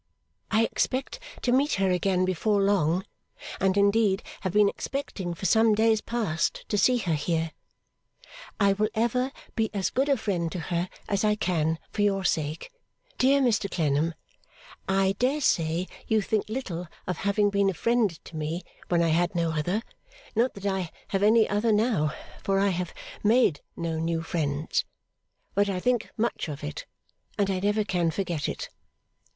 I expect to meet her again before long, and indeed have been expecting for some days past to see her here. I will ever be as good a friend to her as I can for your sake. Dear Mr Clennam, I dare say you think little of having been a friend to me when I had no other (not that I have any other now, for I have made no new friends), but I think much of it, and I never can forget it.